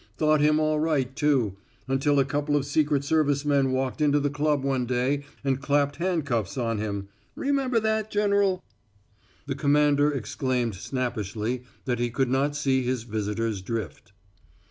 Thought him all right, too until a couple of secret service men walked into the club one day and clapped handcuffs on him. Remember that, General?" The commander exclaimed snappishly that he could not see his visitor's drift.